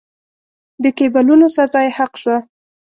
د کېبولونو سزا یې حق شوه.